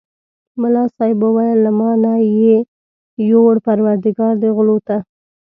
ملا صاحب وویل له ما نه یې یووړ پرودګار دې غلو ته.